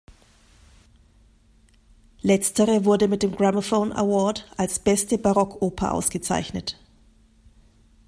Letztere wurde mit dem Gramophone Award als „Beste Barockoper“ ausgezeichnet.